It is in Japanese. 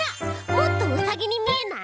もっとウサギにみえない！？